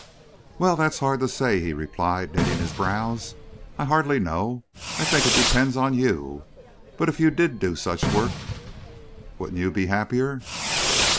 "Well, that's hard to say," he replied, knitting his brows. "I hardly know. I think it depends on you.... But if you did do such work wouldn't you be happier?"